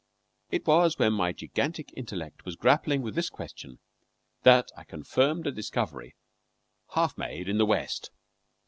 It was when my gigantic intellect was grappling with this question that I confirmed a discovery half made in the West.